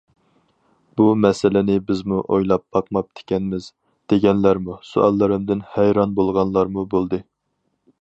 « بۇ مەسىلىنى بىزمۇ ئويلاپ باقماپتىكەنمىز» دېگەنلەرمۇ، سوئاللىرىمدىن ھەيران بولغانلارمۇ بولدى.